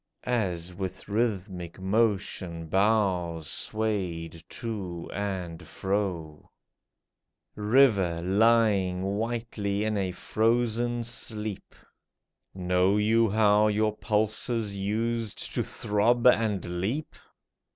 As with rhythmic motion boughs swayed to and fro ? River, lying whitely in a frozen sleep. Know you how your pulses used to throb and leap